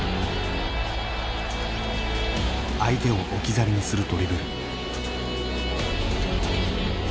相手を置き去りにするドリブル。